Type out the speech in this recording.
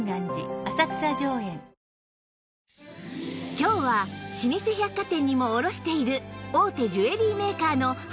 今日は老舗百貨店にも卸している大手ジュエリーメーカーの半期に１度の決算企画！